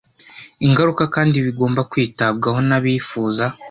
ingaruka kandi bigomba kwitabwaho n abifuza